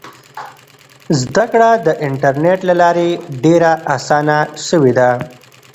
زده کړه د انټرنیټ له لارې ډېره اسانه سوې ده.